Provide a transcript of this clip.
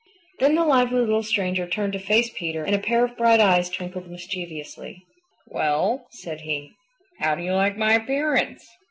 Then the lively little stranger turned to face Peter and a pair of bright eyes twinkled mischievously. "Well," said he, "how do you like my appearance?